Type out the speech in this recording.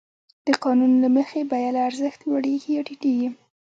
د قانون له مخې بیه له ارزښت لوړېږي یا ټیټېږي